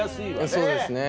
そうですね。